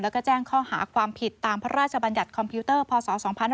แล้วก็แจ้งข้อหาความผิดตามพระราชบัญญัติคอมพิวเตอร์พศ๒๕๕๙